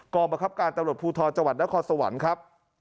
กรมประคับการณ์ตำรวจภูทธ์จังหวัดนครสวรรค์ครับ